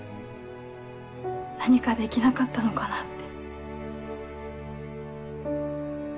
何かできなかったのかなって。